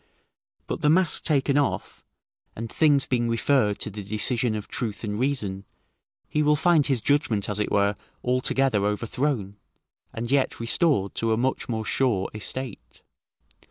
But the mask taken off, and things being referred to the decision of truth and reason, he will find his judgment as it were altogether overthrown, and yet restored to a much more sure estate.